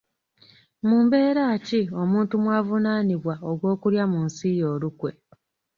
Mu mbeera ki omuntu mw'avunaanibwa ogw'okulya mu nsi ye olukwe?